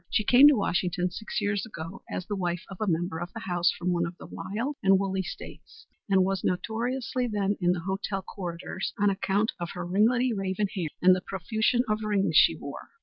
She came to Washington six years ago as the wife of a member of the House from one of the wild and woolly States, and was notorious then in the hotel corridors on account of her ringletty raven hair and the profusion of rings she wore.